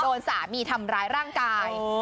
โดนสามีทำร้ายร่างกาย